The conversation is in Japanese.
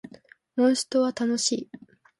モンストは楽しい